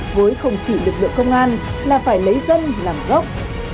với không chỉ lực lượng công an là phải lấy dân làm gốc